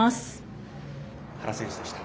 原選手でした。